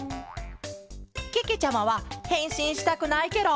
けけちゃまはへんしんしたくないケロ！